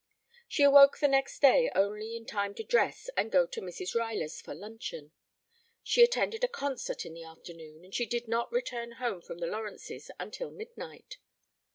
She awoke the next day only in time to dress and go to Mrs. Ruyler's for luncheon. She attended a concert in the afternoon, and she did not return from the Lawrences' until midnight.